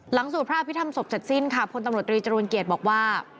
หลังสูตรพระอภิษฐรรมศพจัดสิ้นค่ะคนตำรวจรีจรูลเกียจบอกว่า